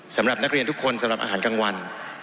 สำหรับนักเรียนทุกคนสำหรับอาหารกลางวัน